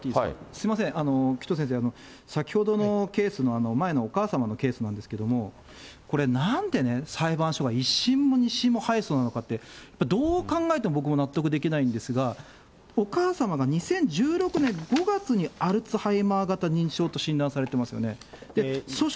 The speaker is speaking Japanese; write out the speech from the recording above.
すみません、紀藤先生、先ほどのケースの、前のお母様のケースなんですけど、これ、なんでね、裁判所が１審も２審も敗訴なのかって、どう考えても僕も納得できないんですが、お母様が２０１６年５月にアルツハイマー型認知症と診断されてますよね。